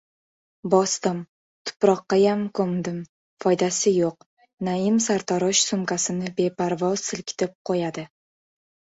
— Bosdim. Tuproqqayam ko‘mdim. Foydasi yo‘q, — Naim sartarosh sumkasini beparvo silkitib qo‘yadi.